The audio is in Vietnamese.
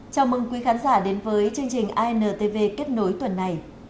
chào mừng quý khán giả đến với chương trình intv kết nối tuần này